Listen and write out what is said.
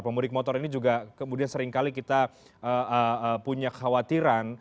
pemudik motor ini juga kemudian seringkali kita punya kekhawatiran